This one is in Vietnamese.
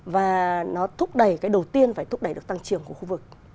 và nó thúc đẩy cái đầu tiên phải thúc đẩy được tăng trưởng của khu vực